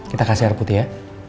kita kasih air putih ya